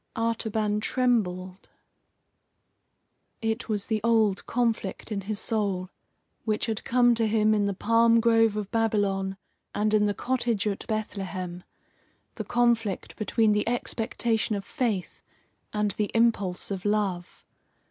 Artaban trembled. It was the old conflict in his soul, which had come to him in the palm grove of Babylon and in the cottage at Bethlehem the conflict between the expectation of faith and the impulse of love.